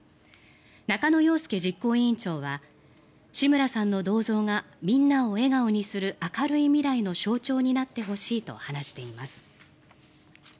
中野陽介実行委員長は志村さんの銅像がみんなを笑顔にする明るい未来の象徴になってほしいと話しています。